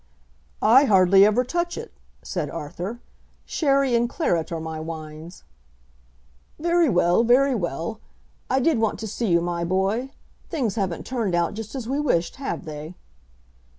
"I hardly ever touch it," said Arthur. "Sherry and claret are my wines." "Very well; very well. I did want to see you, my boy. Things haven't turned out just as we wished have they?"